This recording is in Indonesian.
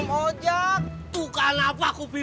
kalo juga biz tersabit